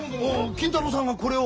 金太郎さんがこれを。